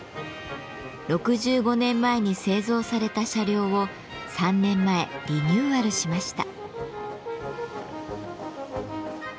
６５年前に製造された車両を３年前リニューアルしました。